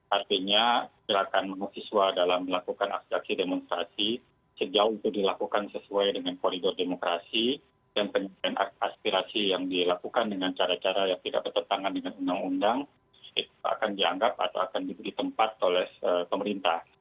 artinya gerakan mahasiswa dalam melakukan aspirasi demonstrasi sejauh itu dilakukan sesuai dengan koridor demokrasi dan penyelesaian aspirasi yang dilakukan dengan cara cara yang tidak bertentangan dengan undang undang itu akan dianggap atau akan diberi tempat oleh pemerintah